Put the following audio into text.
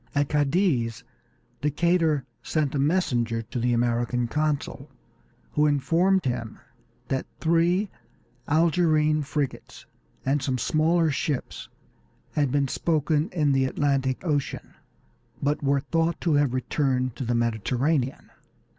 At Cadiz Decatur sent a messenger to the American consul, who informed him that three Algerine frigates and some smaller ships had been spoken in the Atlantic Ocean, but were thought to have returned to the Mediterranean.